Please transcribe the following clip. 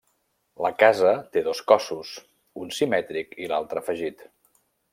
La casa té dos cossos, un simètric i l'altre afegit.